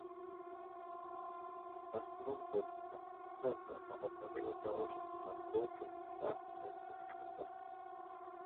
Na svou dobu neobvyklé téma opery je založeno na dvou povídkách Waltera Scotta.